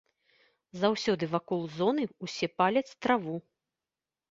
Заўсёды вакол зоны ўсе паляць траву.